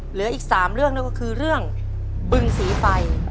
เหลืออีก๓เรื่องนั่นก็คือเรื่องบึงสีไฟ